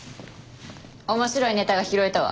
面白いネタが拾えたわ。